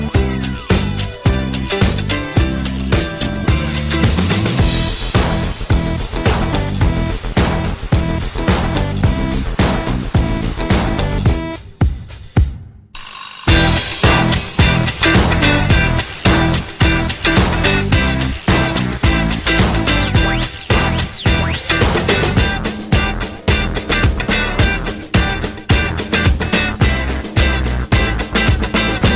โปรดติดตามตอนต่อไป